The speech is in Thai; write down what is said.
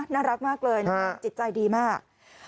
น่ารักมากเลยจิตใจดีมาก